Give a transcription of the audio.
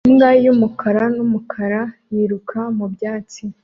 Imbwa y'umukara n'umukara yiruka mu byatsi